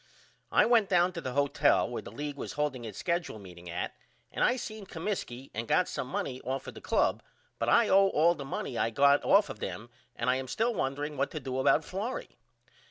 I went down to the hotel where the league was holding its skedule meeting at and I seen Comiskey and got some money off of the club but I owe all the money I got off of them and I am still wondering what to do about Florrie.